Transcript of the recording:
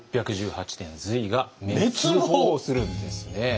６１８年隋が滅亡するんですね。